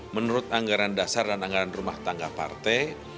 menurut anggaran dasar dan anggaran rumah tangga partai